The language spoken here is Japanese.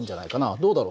どうだろう？